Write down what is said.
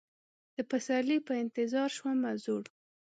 د پسرلي په انتظار شومه زوړ